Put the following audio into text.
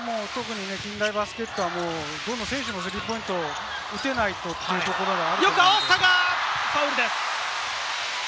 近代バスケットはどの選手もスリーポイントが打てないとということがあるので。